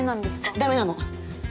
ダメなの！